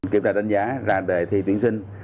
kiểm tra đánh giá ra đề thi tuyển sinh